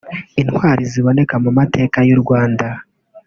Intwari ziboneka mu mateka y’u Rwanda